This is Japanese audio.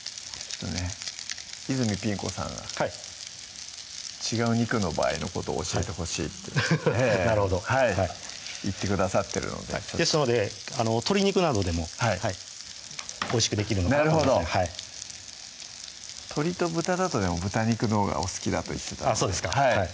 泉ピン子さんがはい違う肉の場合のことを教えてほしいってなるほど言ってくださってるのでですので鶏肉などでもおいしくできるのかなと思います鶏と豚だと豚肉のほうがお好きだと言ってたのでそうですかはい